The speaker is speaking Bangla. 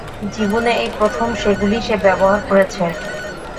জীবনে এই প্রথম সেগুলি সে ব্যবহার করেছে।